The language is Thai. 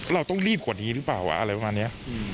เราต้องรีบกว่านี้หรือเปล่าอะไรประมาณนี้